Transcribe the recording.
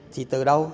thì từ đâu